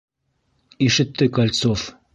Ишетте Кольцов!